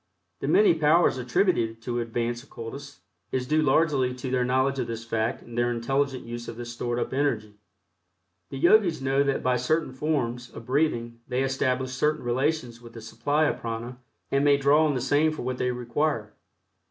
The many powers attributed to advanced occultists is due largely to their knowledge of this fact and their intelligent use of this stored up energy. The Yogis know that by certain forms of breathing they establish certain relations with the supply of prana and may draw on the same for what they require.